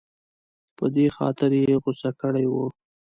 په دې خاطر یې غوسه کړې وه.